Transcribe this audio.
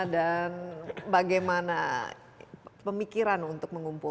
dan bagaimana pemikiran untuk mengumpulkan